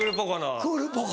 クールポコ。